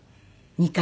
２回。